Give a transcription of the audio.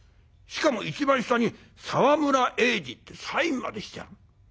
しかも一番下に「沢村栄治」ってサインまでしてある。